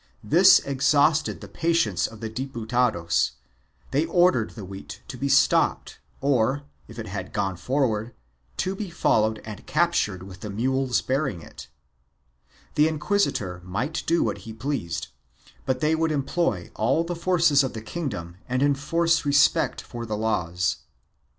This exhausted the patience of the Diputados; they ordered the wheat to be stopped or, if it had gone forward, to be followed and captured with the mules bearing it; the inquisitor might do what he pleased, but they would employ all the forces of the kingdom and enforce respect for the laws.